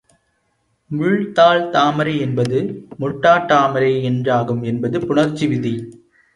முள் தாள் தாமரை என்பது முட்டாட்டாமரை என்றாகும் என்பது புணர்ச்சி விதி.